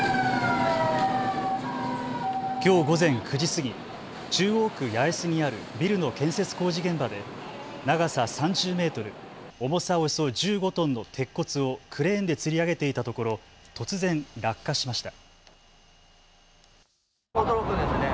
きょう午前９時過ぎ、中央区八重洲にあるビルの建設工事現場で長さ３０メートル、重さおよそ１５トンの鉄骨をクレーンでつり上げていたところ、突然、落下しました。